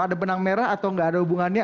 ada benang merah atau nggak ada hubungannya